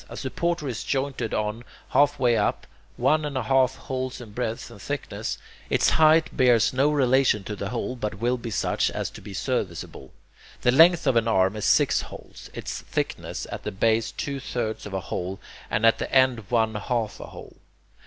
A supporter is jointed on, halfway up, one and one half holes in breadth and thickness. Its height bears no relation to the hole, but will be such as to be serviceable. The length of an arm is six holes, its thickness at the base two thirds of a hole, and at the end one half a hole.